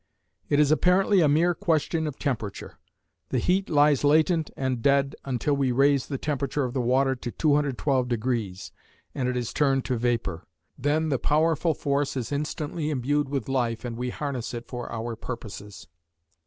It is apparently a mere question of temperature. The heat lies latent and dead until we raise the temperature of the water to 212°, and it is turned to vapor. Then the powerful force is instantly imbued with life and we harness it for our purposes.